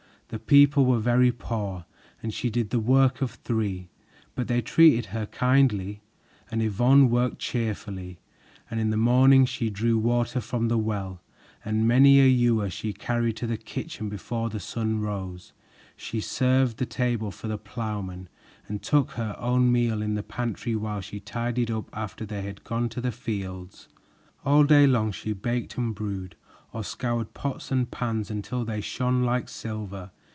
The people were very poor, and she did the work of three, but they treated her kindly, and Yvonne worked cheerfully. Early in the morning she drew water from the well, and many a ewer she had carried to the kitchen before the sun rose. She served the table for the plowmen and took her own meal in the pantry while she tidied up after they had gone to the fields. All day long she baked and brewed, or scoured pots and pans until they shone like silver.